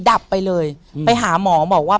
ดับไปเลยไปหาหมอบอกว่า